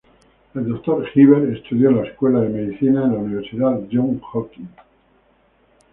El Dr. Hibbert estudió en la escuela de medicina en la Universidad Johns Hopkins.